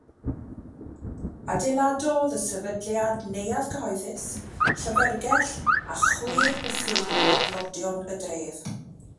Adeiladodd y sefydliad neuadd gyhoeddus, llyfrgell a chwe bwthyn i dlodion y dref.